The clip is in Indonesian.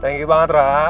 thank you banget ra